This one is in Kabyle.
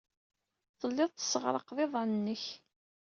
Tellid tesseɣraqed iḍan-nnek.